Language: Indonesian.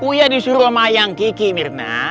uya disuruh sama ayang kiki mirna